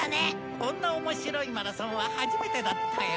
こんなおもしろいマラソンは初めてだったよ。